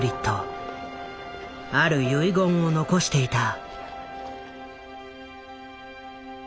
ある遺言を残していた。